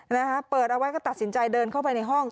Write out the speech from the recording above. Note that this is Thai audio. นะฮะเปิดเอาไว้ก็ตัดสินใจเดินเข้าไปในห้อง